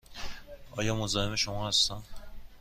آیا مزاحم شما هستم؟